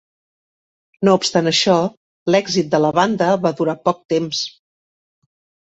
No obstant això, l'èxit de la banda va durar poc temps.